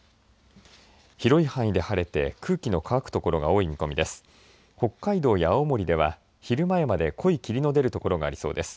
広い範囲で晴れて空気の乾く所が多い見込みです。